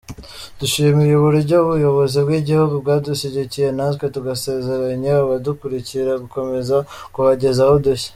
Dushimiye uburyo ubuyobozi bw’igihugu bwadushyigikiye natwe tugasezeranya abadukurikira gukomeza kubagezaho udushya.